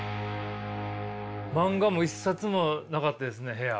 漫画も一冊もなかったですね部屋。